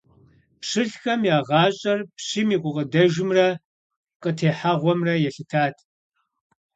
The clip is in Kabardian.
Пщылӏхэм я гъащӀэр пщым и гукъыдэжымрэ къытехьэгъуэмрэ елъытат.